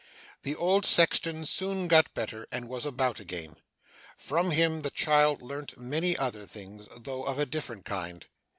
The old sexton soon got better, and was about again. From him the child learnt many other things, though of a different kind.